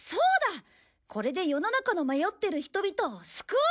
これで世の中の迷ってる人々を救おう！